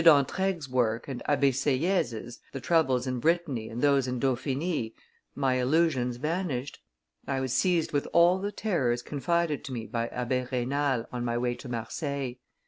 d'Entraigues' work and Abbe Sieyes', the troubles in Brittany and those in Dauphiny, my illusions vanished; I was seized with all the terrors confided to me by Abbe Raynal on my way to Marseilles.